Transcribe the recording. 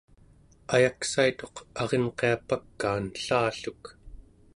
ayaksaituq arenqiapakaan ellalluk